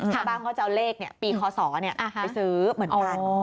ชาวบ้านก็จะเอาเลขปีคศไปซื้อเหมือนกัน